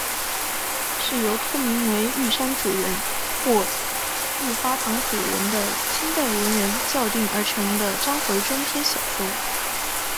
是由托名为玉山主人或玉花堂主人的清代文人校订而成的章回中篇小说。